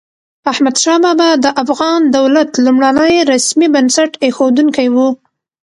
احمد شاه بابا د افغان دولت لومړنی رسمي بنسټ اېښودونکی و.